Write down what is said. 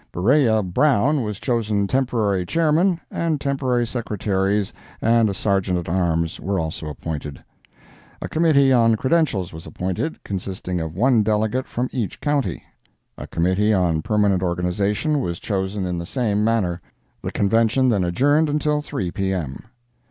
Beriah Brown was chosen temporary Chairman, and temporary Secretaries and a Sergeant at Arms were also appointed. A Committee on Credentials was appointed, consisting of one Delegate from each county. A Committee on Permanent Organization was chosen in the same manner. The Convention then adjourned until three P.M.